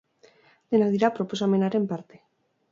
Denak dira proposamenaren parte.